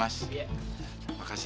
makasih pak special tim